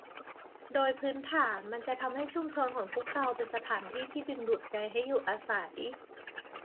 โดยพื้นฐาน มันจะทำให้ชุมชนของพวกเราเป็นสถานที่ที่ดึงดูดใจให้อยู่อาศัย